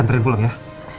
sentri pulang ya